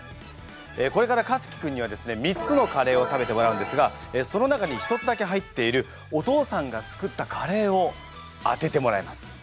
これからかつき君にはですね３つのカレーを食べてもらうんですがその中に１つだけ入っているお父さんが作ったカレーを当ててもらいます。